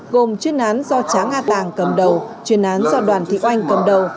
gồm chuyên án do tráng a tàng cầm đầu chuyên án do đoàn thị oanh cầm đầu